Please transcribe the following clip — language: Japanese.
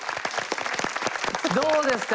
どうですか。